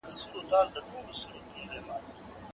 د نجونو تعليم د ټولنې نظم پياوړی کوي.